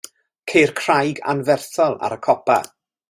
Ceir craig anferthol ar y copa.